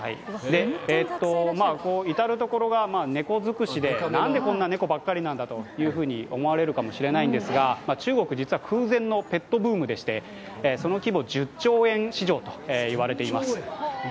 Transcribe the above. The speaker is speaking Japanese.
至る所が猫づくしで何でこんな猫ばっかりなんだと思われるかもしれないんですが、中国、実は空前のペットブームでしてその規模１０兆円市場といわれています。